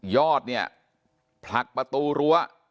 ยอดเนี่ยผลักประตูรั้ว